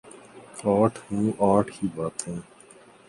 آٹھ منہ آٹھ ہی باتیں ۔